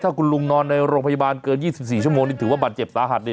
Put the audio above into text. ถ้าคุณลุงนอนในโรงพยาบาลเกิน๒๔ชั่วโมงนี่ถือว่าบาดเจ็บสาหัสเลย